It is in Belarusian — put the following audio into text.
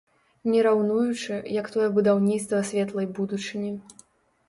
Не раўнуючы, як тое будаўніцтва светлай будучыні.